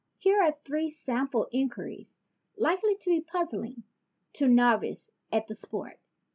Here are three sample inquiries likely to be puzzling to novices at the sport.